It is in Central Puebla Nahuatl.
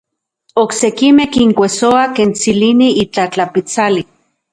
Oksekimej kinkuejsoa ken tsilini itlaj tlapitsali.